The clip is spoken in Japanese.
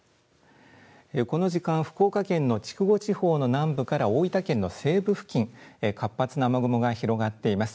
この時間、福岡県の筑後地方の南部から大分県の西部付近、活発な雨雲が広がっています。